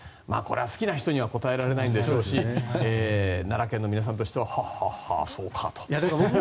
好きな人には答えられないでしょうし奈良県の皆さんとしてははっはっは、そうかと。